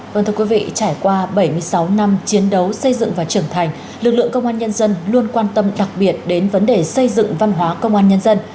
vâng thưa quý vị trải qua bảy mươi sáu năm chiến đấu xây dựng và trưởng thành lực lượng công an nhân dân luôn quan tâm đặc biệt đến vấn đề xây dựng văn hóa công an nhân dân